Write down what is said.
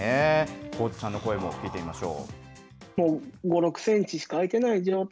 高津さんの声も聞いてみましょう。